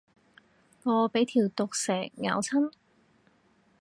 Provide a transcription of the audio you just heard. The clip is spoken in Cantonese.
我俾條毒蛇咬親